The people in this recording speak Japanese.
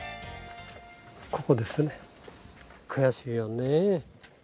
ここですね、悔しいよね。